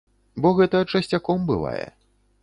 Бо гэта часцяком бывае.